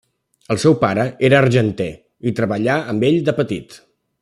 El seu pare era argenter i treballà amb ell de petit.